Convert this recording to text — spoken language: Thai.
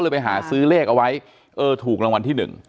เลยไปหาซื้อเลขเอาไว้ทูลังวัลที่๑